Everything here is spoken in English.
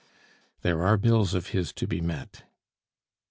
"There are bills of his to be met."